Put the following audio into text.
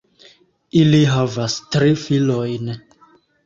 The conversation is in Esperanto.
Ili havas tri filojn.